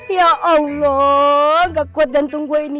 ya allah nggak kuat jantung gue ini